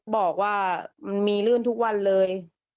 บอกว่ามันมีลื่นทุกวันเลย